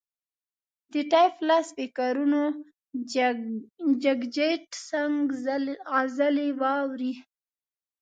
د ټیپ له سپیکرونو جګجیت سنګ غزلې واوري.